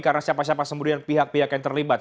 karena siapa siapa sembuhnya pihak pihak yang terlibat